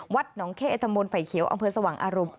วัดหนองเคไอธมนต์ไฟเขียวอำเภอสวังอารมณ์